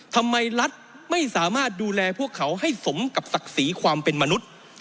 รัฐไม่สามารถดูแลพวกเขาให้สมกับศักดิ์ศรีความเป็นมนุษย์